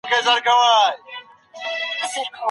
د احسان کوونکو لپاره لویه بدله ده.